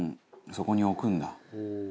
「そこに置くんだ」